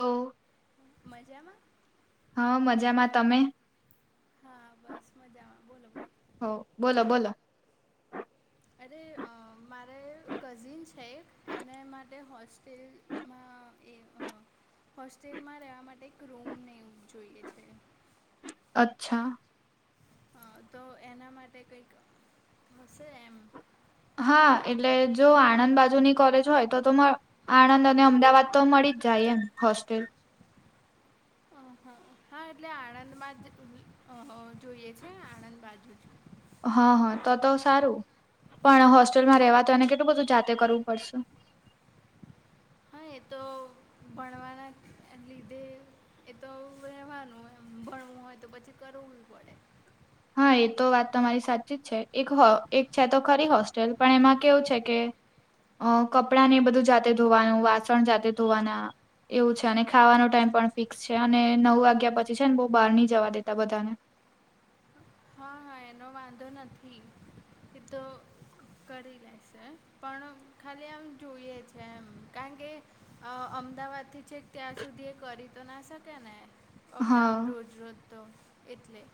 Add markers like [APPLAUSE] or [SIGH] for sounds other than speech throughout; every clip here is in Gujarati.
ઓ મજામાં? હા મજામાં તમે? હા બસ મજામાં બોલો હ બોલો બોલો, અરે અ મારે કઝિન છે એને માટે હોસ્ટેલ, માં એ હોસ્ટેલમાં રહેવા માટે એક રૂમ ને જોઈએ છે. અચ્છા તો એના માટે કંઈક હશે એમ? હા એટલે જો આણંદ બાજુની કોલેજ હોય તો તો મ આણંદ અને અમદાવાદ તો મળી જ જાય એમ હોસ્ટેલ. હ હા એટલે આણંદ માં જ જોઈએ છે આણંદ બાજુ જ. હ હ તો તો સારું પણ હોસ્ટેલમાં રહેવા તો એને કેટલું બધું જાતે કરવું પડશે. હા એતો ભણવાના લીધે એ તો રહેેવાનું હોય ભણવું હોય તો પછી કરવું પડે. હા એ તો વાત તમારી સાચી જ છે એક એક છે તો ખરી હોસ્ટેલ પણ એમાં કેવું છે કે, અ કપડાં ને એ બધું જાતે ધોવાનું વાસણ જાતે ધોવાના. એવું છે અને ખાવાનો ટાઈમ પણ ફિક્સ છે. અને નવ વાગ્યા પછી છે ન બઉ બહાર ની જવા દેતા બધાને હા હા એનો વાંધો નથી એ તો કરી લેશે. પણ ખાલી આમ જોઈએ છે એમ કારણ કે અમદાવાદથી છેક ત્યાં સુધી એ કરી તો ના શકે ને અપડાઉન હા રોજ રોજ તો એટલે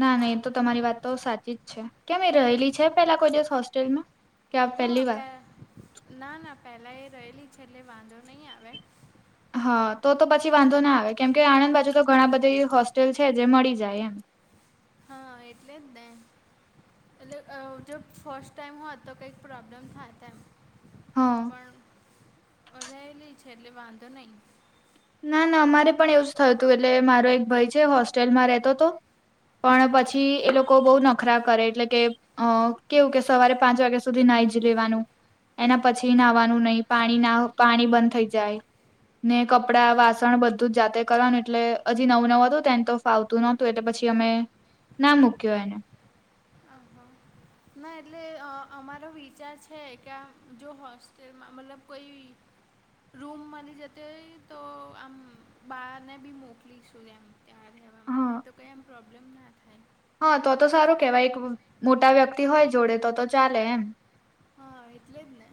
ના નહી તો તમારી વાત તો સાચી જ છે કેમ એ રહેલી છે પેલા કોઈ દિવસ હોસ્ટેલમાં? કે આ હા પહેલી વાર પે ના ના પહેલા એ રહેલી છે એટલે વાંધો નહીં આવે. હા તો તો પછી વાંધો ના આવે કેમ કે આણંદ બાજુ તો ઘણા બધે હોસ્ટેલ છે જે મળી જાય એમ. હા એટલે જ ને. એટલે અ જો ફર્સ્ટ ટાઈમ હોત તો કઈક પ્રોબ્લેમ થાય ત એમ. હા પણ રહેલી છે એટલે વાંધો નહી. ના ના અમારે પણ એવું જ થયું તું એટલે મારો એક ભઈ છે. હોસ્ટેલમાં રહેતો તો. પણ હા પછી હા એ લોક કો બહુ નખરા કરે એટલે કે અ કેવું કે સવારે પાંચ વાગ્યા સુધી નાઈ જ લેવાનું. એના પછી નાહવાનું નહી પાણી ના પાણી બંધ થઈ જાય ને ક પડા વાસણ બધું જ જાતે કરવા એટલે હજી નવું નવું હતું તો એન તો ફાવતું નહોતું એટલે પછી અમે, ના મુક્યો એને. અ હા એટલે અમારો વિચાર છે કે આ જો હોશ જે આ માં મતલબ કોઈ રૂમ મળી જતી હોય તો આમ બારને બી મોકલીશું એમ. એમાં રહેવા માટે હા તો કંઈ આમ પ્રોબ્લેમ ના થાય. હા તો તો સારું કેવાય એક મોટા વ્યક્તિ હોય જોડે તો તો ચાલે એમ. હા એટલે જ ને.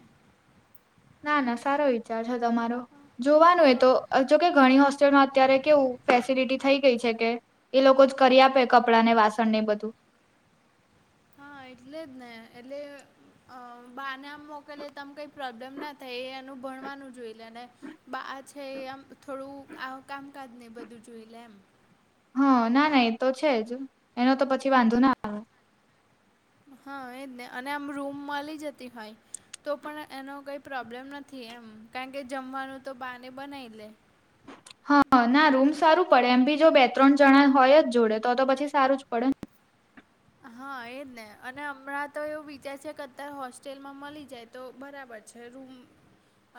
ના ના સારો વિચાર છે તમારો. જોવાનું હા એ તો હા અ જોકે ઘણી હોસ્ટેલમાં અત્યારે કેવું ફેસિલિટી થઈ ગઈ છે કે એ લોકો જ કરી આપે કપડાં ને વાસણ ને એ બધું. હા એટલે જ ને એટલે અ અ બાને આમ મોકલીએ આમ કઈ પ્રોબ્લેમ ના થાય એ એનું ભણવાનું જોઈ લે ને બા છે એ આમ થોડું આ કામકાજ ને બધું જોઈ લે એમ. હા ના ના એ તો છે જ એનો તો પછી વાંધો ના આવે. હા એજ ને અને આમ રૂમ મલી જતી હોય. તો પણ એનો કંઈ પ્રોબ્લેમ નથી એમ. કારણ કે જમવાનું તો બા ને બનાવી લે. હા ના રૂમ સારું પડે એમ બી જો બે ત્રણ જણા હોય જ જોડે તો પછી સારું જ પડે ને. હા એ જ ને અને હમણાં તો એવો વિચાર છે કે અત્યારે હોસ્ટેલમાં મલી જાય. તો બરાબર છે રૂમ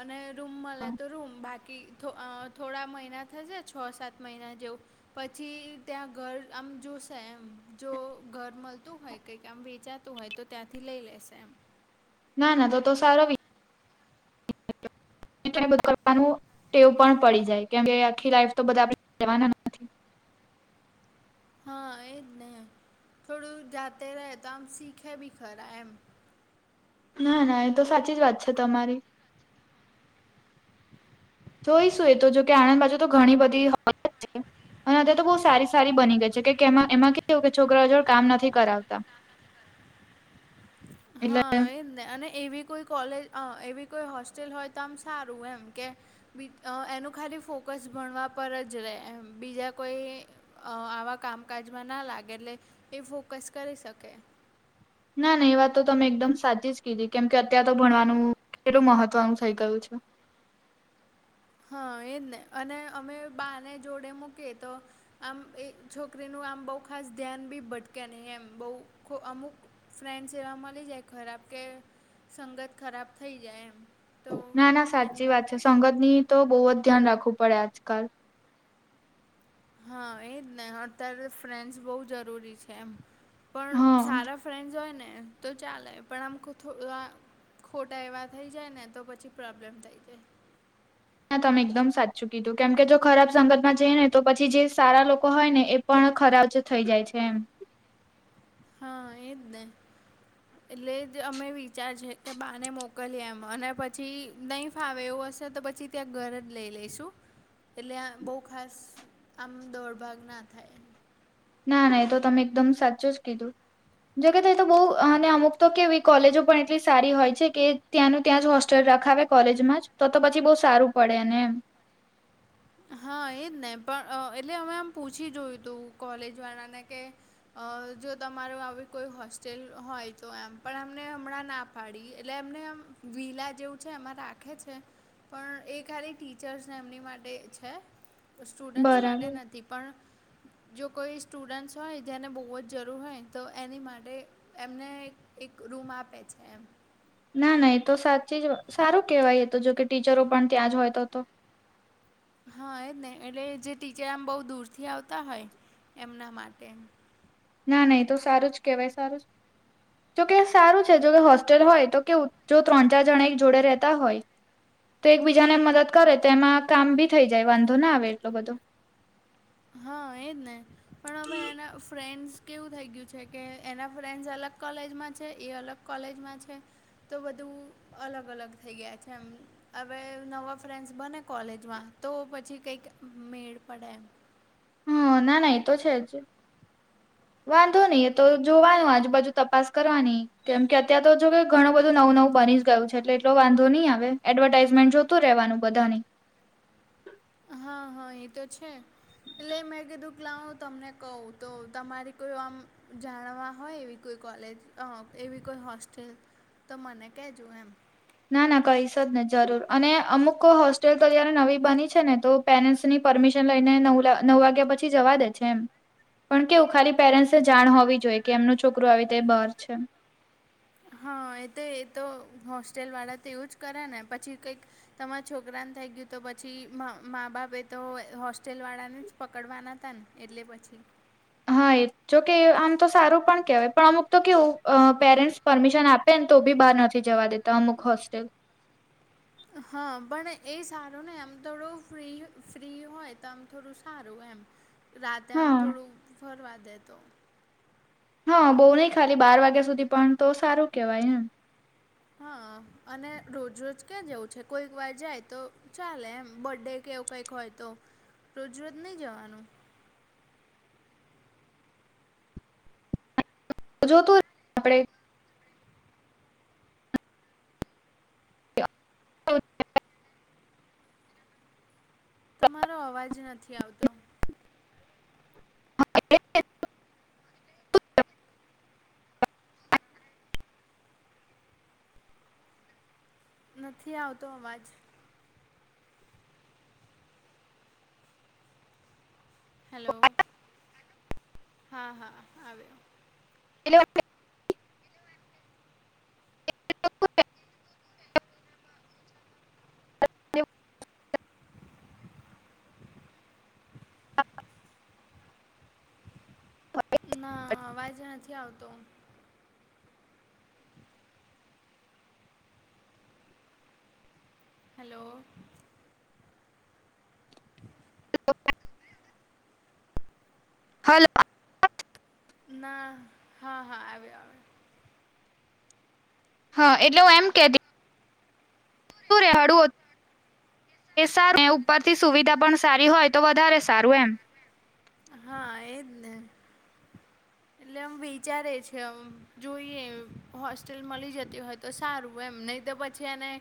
અને રૂમ મલે તો રૂમ બાકી તો અ થોડા મહિના થશે છ સાત મહિના જેવું. પછી ત્યાં ઘર આમ જોશે એમ જો ઘર મળતું હોય કંઈક આમ વેચાતું હોય તો ત્યાંથી લઈ લેશે એમ. ના ના તો તો સારો વિ [INAUDIBLE] [UNINTELLIGIBLE] ટેવ પણ પડી જાય કેમકે આખી લાઈફ તો બધા આપી જવાના નથી. હા એ જ ને થોડું જાતે રહે તો આમ સીખે બી ખરા એમ ના ના એ તો સાચી જ વાત છે તમારી. [INAUDIBLE] જોઈશું એ તો જોકે આણંદ બાજુ તો ઘણી બધી હોય જ છે. અને અતાર તો બહુ સારી સારી બની ગઈ છે કે એમા એમાં કેવુ કે છોકરાઓ જોડે કામ નથી કરાવતા. [INAUDIBLE] એટલે હા એ. અને એવી કોઈ કોલેજ અ એવી કોઈ હોસ્ટેલ હોય તો આમ સારું એમ કે બીટ એનું ખાલી ફોકસ ભણવા પર જ રહે એમ બીજા કોઈ અ આવા કામકાજમાં ના લાગે એટલે એ ફોકસ કરી શકે. ના ના એ વાત તો તમે એકદમ સાચી જ કીધી કેમ કે અત્યાર તો ભણવાનું કેટલું મહત્વનું થઇ ગયું છે. હા એજ ને અને અમે બાને જોડે મૂકીએ તો. આમ એ છોકરીનું આમ બહુ ખાસ ધ્યાન બી ભટકે નહી એમ બહું અમુક ફ્રેન્ડસ એવા મલી જાય ખરાબ કે સંગત ખરાબ થઈ જાય એમ. તો ના ના એની સાચી વાત માટે છે. એમ સંગતની તો બહુ જ ધ્યાન રાખવું પડે આજકાલ. હા એ જ ને અત્યારે ફ્રેન્ડસ બહુ જરૂરી છે એમ. પણ હા. સારા ફ્રેન્ડ્સ હોય ને. તો ચાલે પણ આમ થોડા ખોટા એવા થઈ જાય ને તો પછી પ્રોબ્લેમ થઈ જાય. ના તમે એકદમ સાચું કીધું કેમ કે જો ખરાબ સંગતમાં જઈ ને તો પછી જે સારા લોકો હોય ને એ પણ ખરાબ જ થઈ જાય છે એમ. હા એ જ ને. એટલે જ અમે વિચાર છે કે બાને મોકલીએ એમ અને પછી નહીં ફાવે એવું હશે તો પછી ત્યાં ઘર જ લઈ લઈશુ. એટલે આમ બહુ ખાસ આમ દોડભાગ ના થાય. ના ના એ તો તમે એકદમ સાચુ જ કીધું. જગત એ તો બઉ અને અમુક તો કેવી કોલેજો પણ એટલી સારી હોય છે કે ત્યાંનું ત્યાં જ હોસ્ટેલ રખાવે કોલેજમાં જ તો તો પછી બહું સારું પડે એને એમ. હા એ જ ને પણ અ એટલે હવે આમ પૂછી જોયું તું કોલેજ વાળાને કે અ જો તમારું આવી કોઈ હોસ્ટેલ હોય તો એમ પણ એમને હમણાં ના પાડી એટલે એમને એમ વીલા જેવું છે એમાં રાખે છે. પણ એ ખાલી ટીચર્સને એમની માટે છે પણ સ્ટુડન્ટ્સ માટે બરાબર નથી પણ જો કોઈ સ્ટુડન્ટ્સ હોય જેને બહુ જ જરૂર હોય તો એની માટે એમને એક એક રૂમ આપે છે એમ. ના ના એ તો સાચી જ વ સારું કહેવાય તો જોકે ટીચરો પણ ત્યાં જ હોય તો તો હા એજ ને એટલે જે ટીચર આમ બહુ દૂરથી આવતા હોય એમના માટે. ના નહી તો સારું જ કેહેવાય સારું જોકે સારું છે જો કે હોસ્ટેલ હોય તો કેવું જો ત્રણ ચાર જણા એક જોડે રહેતા હોય તો એકબીજાને મદદ કરે તો એમાં કામ બી થઈ જાય વાંધો ના આવે એટલો બધો. હા એજ ને. પણ હવે એના ફ્રેન્ડસ કેવું થઈ ગયું છે કે એના ફ્રેન્ડસ અલગ કોલેજમાં છે એ અલગ કોલેજમાં છે તો બધું અલગ અલગ થઈ ગયા છે એમ. હવે નવા ફ્રેન્ડસ બને કોલેજમાં તો પછી કઈક મેળ પડે એમ. હમ્મ ના ના એતો છે જ. વાંધો નઈ એ તો જોવાનું આજુબાજુ તપાસ કરવાની. કેમ કે અત્યારે તો જો કે ઘણું બધું નવું નવું બની જ ગયું છે એટલે એટલો વાંધો નહી આવે એડવર્ટાાઈઝમેન્ટ જો તું રહેવાનું બધાની. હા હા એ તો છે. એટલે મેં કીધું કે લાવ તમને કહું તો તમારી કોઈ આમ જાણવા હોય એવી કોઈ કોલેજ અહ એવી કોઈ હોસ્ટેલ તો મને કેજો એમ. ના ના કઈશ જ ને જરૂર અને અમુક હોસ્ટેલ તો જય્યારે નવી બની છે ને તો પેરેન્ટસની પરમિશન લઈને નવ નવ વાગ્યા પછી જવા દે છે એમ. પણ કેવું ખાલી પેરેન્ટ્સને જાણ હોવી જોઈએ કે એમનું છોકરો આવી રીતે બહાર છે. હા એ તો એ તો હોસ્ટેલ વાળા તો એવું જ કરે ને પછી કંઈક તમારા છોકરાને થઈ ગયું તો પછી માં માં બાપે તો હોસ્ટેલવાળાને જ પકડવાના તા ને. એટલે પછી હા એ જોકે આમ તો સારું પણ કેહેવાય પણ અમુક તો કેવું અહ પેરેન્ટ્સ પરમિશન આપે ને તો બી બહાર નથી જવા દેતા અમુક હોસ્ટેલ. હા પણ એ સારું નહિ આમ થોડું ફ્રી ફ્રી હોય તો આમ થોડું સારું એમ. રાતે આમ હા થોડું ફરવા દે તો. હા બહુ નહી ખાલી બાર વાગ્યા સુધી પણ તો સારું કેવાય એમ. હા અને રોજ રોજ ક્યાં જેવું છે કોઈક વાર જાય તો ચાલે એમ બડે કે એવું કંઈક હોય તો રોજરોજ નહીં જવાનું. જો તો આપડે [UNINTELLIGIBLE] તમારો અવાજ નથી આવતો. હા [UNINTELLIGIBLE] નથી આવતો અવાજ. હેલો હા હા આવ્યો. કેટલી વાર થઈ? [INAUDIBLE] [INAUDIBLE] ના અવાજ નથી આવતો. હેલો. [INAUDIBLE] હલ ના હા હા આવે આવે. હા એટલે હું એમ કેતી શું રેવાડવું હોત એ સારું ઉપરથી સુવિધા પણ સારી હોય તો વધારે સારું એમ આવ્યો હા એજ ને. એટલે આમ વિચારે છે ઓમ જોઈએ હોસ્ટેલ મળી જતી હોય. તો સારું એમ નહી તો પછી એને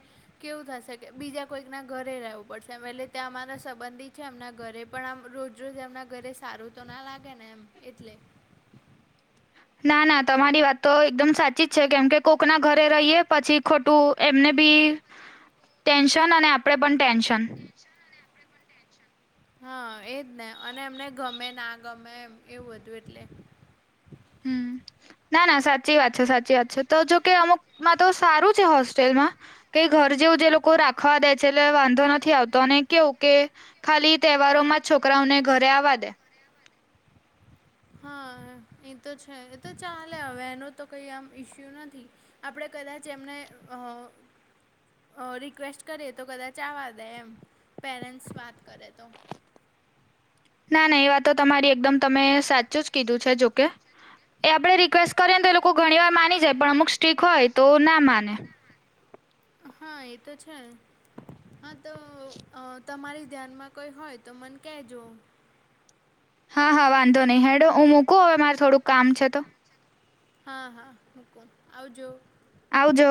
કેવું થશે કે બીજા કોઈક ના ઘરે રહેવું પડશે વેલી ત્યાં અમારે સંબંધી છે એમના ઘરે પણ આમ રોજરોજ એમનાં ઘરે સારું તો ના લાગે ને એમ એટલે ના ના તમારી વાત તો એકદમ સાચી જ છે કેમ કે કોકના ઘરે રહીએ પછી ખોટું એમને બી ટેન્શન અને આપણે પણ ટેન્શન હા એજ ને અને એમને ગમે ના ગમે એમ એવું હતું એટલે [INAUDIBLE] હમ ના ના સાચી વાત છે સાચી વાત છે તો જોકે અમુક માં તો સારું છે હોસ્ટેલમાં કઈ ઘર જેવું જે લોકો રાખવા દે છે એટલે વાંધો નથી આવતો અને કેવું કે ખાલી તહેવારોમાં છોકરાઓને ઘરે આવા દે. હા એ તો છે એ તો ચાલે હવે એનો તો કઈ આમ ઈસ્યુ નથી. આપણેે કદાચ એમને અ અ રિક્વેસ્ટ કરીએ તો કદાચ આવવા દે એમ પેરેન્ટ્સ વાત કરે તો [INAUDIBLE] [UNINTELLIGIBLE] ના ના એ વાત તો તમારી એકદમ તમે સાચું જ કીધું છે જોકે એ આપડે રી રીકવેસ્ટ કરીએને તો એ લોકો ઘણી વાર માની જાય પણ અમુક સ્ટીક હોય તો ના માને હા એ તો છે. હા તો અ તમારી ધ્યાનમાં કોઈ હોય તો મન કેજો હા હા વાંધો નહી હેડો હું મૂકું હવે મારે થોડુંક કામ છે તો હા હા મુકો આવજો આવજો.